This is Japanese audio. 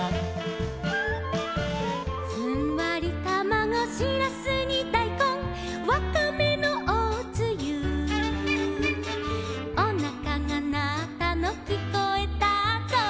「ふんわりたまご」「しらすにだいこん」「わかめのおつゆ」「おなかがなったのきこえたぞ」